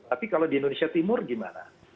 tapi kalau di indonesia timur gimana